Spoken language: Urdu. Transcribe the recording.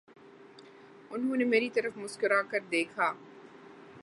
انہوں نے میرے طرف مسکرا کر دیکھا